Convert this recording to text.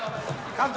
監督。